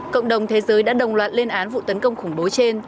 cộng đồng thế giới đã đồng loạt lên án vụ tấn công khủng bố trên